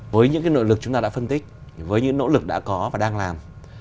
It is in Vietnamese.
với những nội lực chúng ta đã phân tích với những nỗ lực đã có và đang làm